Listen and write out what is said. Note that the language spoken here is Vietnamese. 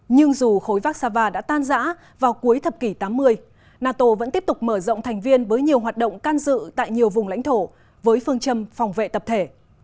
nhưng dù khối vác sava đã tan giã vào cuối thập kỷ tám mươi nato vẫn tiếp tục mở rộng thành viên với nhiều hoạt động can dự tại nhiều vùng lãnh thổ với phương châm phòng vệ tập thể